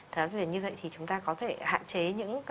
thế như vậy thì chúng ta có thể hạn chế những